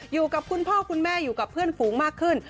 อยู่กับคุณพ่อคุณแม่อยู่กับเพื่อนฝูงมากขึ้น